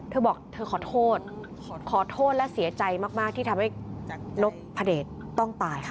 เธอบอกเธอขอโทษขอโทษและเสียใจมากที่ทำให้นกพระเดชต้องตายค่ะ